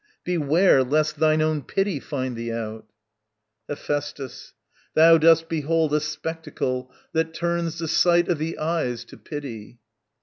Beware lest thine own pity find thee out. Hephæstus. Thou dost behold a spectacle that turns The sight o' the eyes to pity.